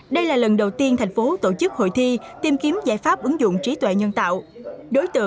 đây là lần đầu tiên thành phố tổ chức hội thi tìm kiếm giải pháp ứng dụng trí tuệ nhân tạo